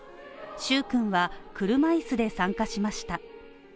蹴君は車椅子で参加しました。